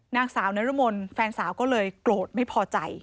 นางสาวนรมนแฟนสาวก็เลยโกรธไม่พอใจ